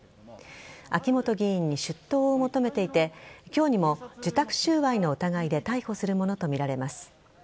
秋本議員に出頭を求めていて今日にも受託収賄の疑いで逮捕するものとみられます。